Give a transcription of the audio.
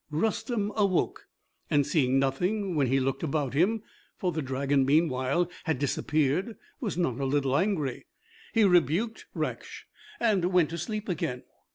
Rustem awoke, and seeing nothing when he looked about him for the dragon meanwhile had disappeared was not a little angry. He rebuked Raksh, and went to sleep again.